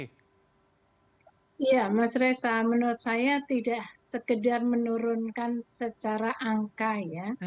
iya mas resa menurut saya tidak sekedar menurunkan secara angka ya